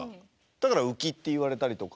だから浮きっていわれたりとか。